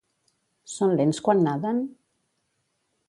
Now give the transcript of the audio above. Són lents quan naden?